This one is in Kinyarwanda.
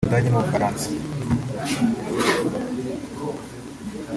Ubudage n’Ubufaransa